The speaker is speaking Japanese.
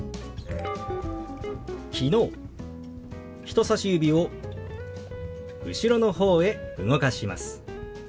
人さし指を後ろの方へ動かします。